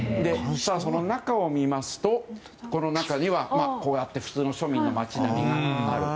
その中を見ますとこの中にはこうやって庶民の街並みがある。